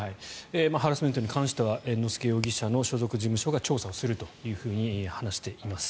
ハラスメントに関しては猿之助容疑者の所属事務所が調査をするというふうに話しています。